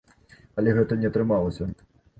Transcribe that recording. Але гэта не атрымалася.